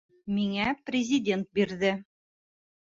Миңә Президент бирҙе!